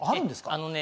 あのね